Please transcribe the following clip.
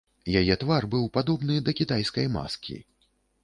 Яе твар быў падобны да кітайскай маскі.